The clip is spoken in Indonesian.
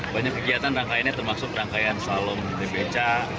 banyak kegiatan rangkainya termasuk rangkaian slalom di beca